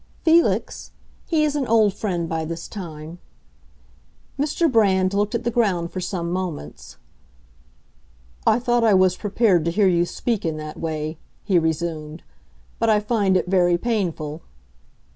"Felix? He is an old friend by this time." Mr. Brand looked at the ground for some moments. "I thought I was prepared to hear you speak in that way," he resumed. "But I find it very painful."